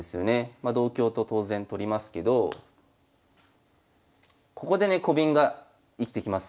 ま同香と当然取りますけどここでねコビンが生きてきます。